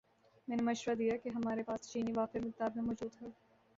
میں نے مشورہ دیا کہ ہماری پاس چینی وافر مقدار میں موجود ہے